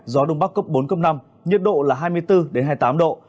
gió đông bắc cấp bốn cấp năm nhiệt độ là hai mươi bốn hai mươi tám độ